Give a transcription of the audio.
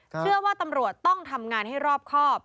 เชื่อว่าตำรวจต้องทำงานให้รอบครอบ